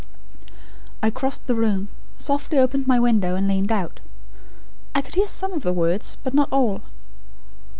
I crossed the room; softly opened my window, and leaned out. I could hear some of the words; but not all.